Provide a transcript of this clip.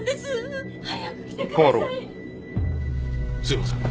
すいません。